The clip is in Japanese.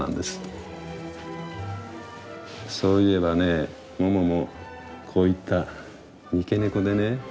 そういえばねモモもこういった三毛猫でね。